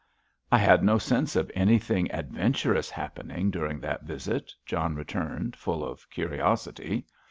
"I had no sense of anything adventurous happening during that visit," John returned, full of curiosity.